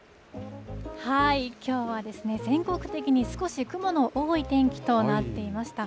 きょうは全国的に少し雲の多い天気となっていました。